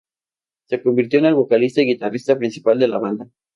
Se convirtió en el vocalista y guitarrista principal de la banda.